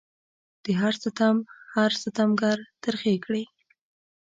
د هر ستم هر ستمګر ترخې کړي